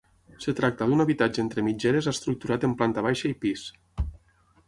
Es tracta d'un habitatge entre mitgeres estructurat en planta baixa i pis.